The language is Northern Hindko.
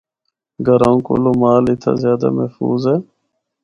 گھروں کولو مال اِتھا زیادہ محفوظ ہے۔